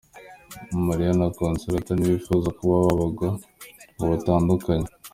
Mariya na Consolata ntibifuza kuba babagwa ngo batandukanywe.